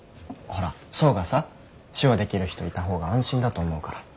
ほら想がさ手話できる人いた方が安心だと思うから。